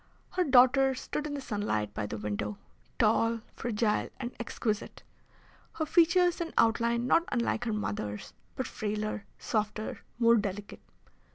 Her daughter stood in the sunlight by the window, tall, fragile, and exquisite, her features and outline not unlike her mother's, but frailer, softer, more delicate.